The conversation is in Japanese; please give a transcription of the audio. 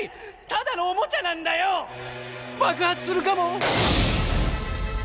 ただのおもちゃなんだよ。爆発するかも。